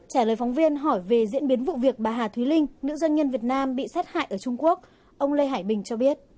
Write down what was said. trả lời phóng viên hỏi về diễn biến vụ việc bà hà thúy linh nữ doanh nhân việt nam bị sát hại ở trung quốc ông lê hải bình cho biết